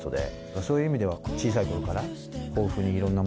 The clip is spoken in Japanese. そういう意味では。